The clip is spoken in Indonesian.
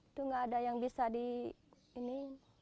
itu nggak ada yang bisa di ini